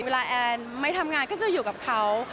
แอนไม่ทำงานก็จะอยู่กับเขา